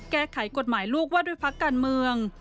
แก้ไขกฎหมายลูกว่าด้วยพักการเมือง